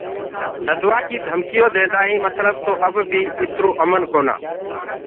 لدوآ ڪيٚ ڌمڪيٚونٚ ديندآ هينٚ متلب تو اب بي اِترو امن ڪونا۔